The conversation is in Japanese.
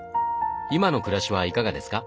今の暮らしはいかがですか？